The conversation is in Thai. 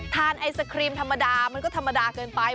ไอศครีมธรรมดามันก็ธรรมดาเกินไป